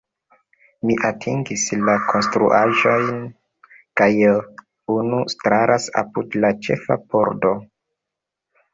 Mi atingis la konstruaĵon, kaj nun staras apud la ĉefa pordo.